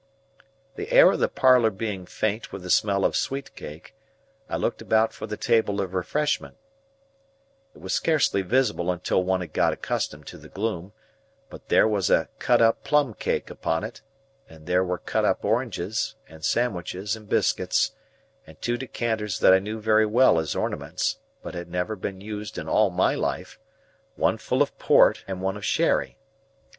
The air of the parlour being faint with the smell of sweet cake, I looked about for the table of refreshments; it was scarcely visible until one had got accustomed to the gloom, but there was a cut up plum cake upon it, and there were cut up oranges, and sandwiches, and biscuits, and two decanters that I knew very well as ornaments, but had never seen used in all my life; one full of port, and one of sherry.